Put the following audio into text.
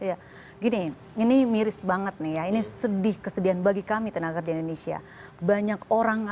ya gini ini miris banget nih ya ini sedih kesedihan bagi kami tenaga kerja indonesia banyak orang